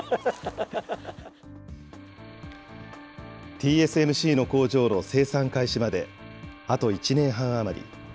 ＴＳＭＣの工場の生産開始まであと１年半余り。